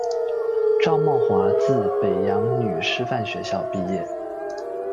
赵懋华自北洋女师范学校毕业。